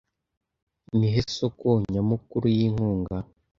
Nihe soko nyamukuru yinkunga